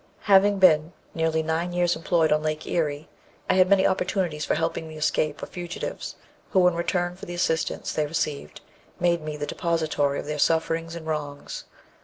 Having been for nearly nine years employed on Lake Erie, I had many opportunities for helping the escape of fugitives, who, in return for the assistance they received, made me the depositary of their sufferings and wrongs.